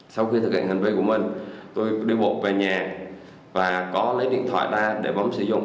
sau khi thực hiện hành vi của mình tôi đi bột về nhà và có lấy điện thoại ra để muốn sử dụng